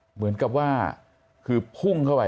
เหมือนกับว่าคือพุ่งเข้าไป